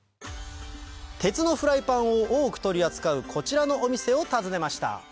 鉄のフライパンを多く取り扱うこちらのお店を訪ねました